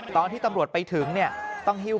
ตอนที่ตำรวจไปถึงเนี่ย